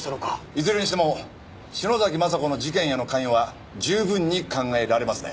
いずれにしても篠崎昌子の事件への関与は十分に考えられますね。